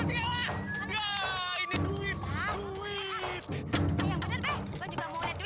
dia lagi bawa koper isinya duit